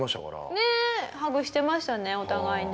ねえハグしてましたねお互いね。